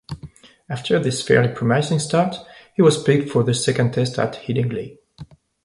After this fairly promising start, he was picked for the second Test at Headingley.